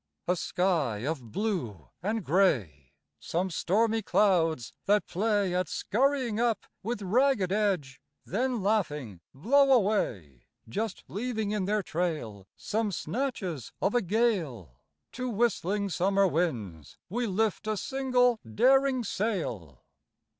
A sky of blue and grey; Some stormy clouds that play At scurrying up with ragged edge, then laughing blow away, Just leaving in their trail Some snatches of a gale; To whistling summer winds we lift a single daring sail.